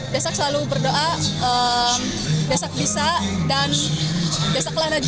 desak selalu berdoa desak bisa dan desak lahan juaranya